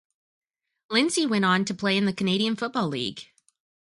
Lindsey went on to play in the Canadian Football League.